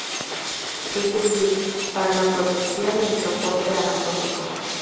Es decir, para la protección y el soporte anatómico.